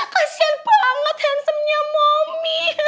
kasian banget handsome nya momi